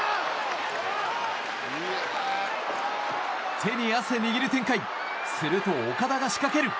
手に汗握る展開するとオカダがしかける。